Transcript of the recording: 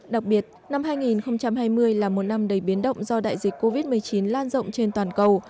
đặc biệt năm hai nghìn hai mươi là một năm đầy biến động do đại dịch covid một mươi chín lan rộng trên toàn cầu